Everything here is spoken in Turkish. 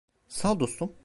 Sağ ol, dostum.